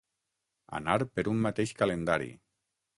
Anar per un mateix calendari.